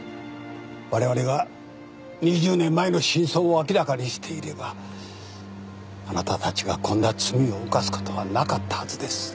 われわれが２０年前の真相を明らかにしていればあなたたちがこんな罪を犯すことはなかったはずです。